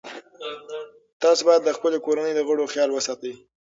تاسو باید د خپلې کورنۍ د غړو خیال وساتئ.